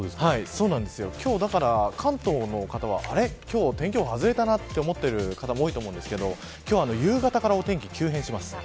今日、だから関東の方は今日、天気予報外れたと思ってる方も多いと思うんですが今日夕方からお天気が急変します。